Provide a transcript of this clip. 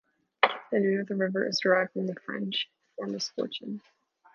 The name of the river is derived from the French for misfortune.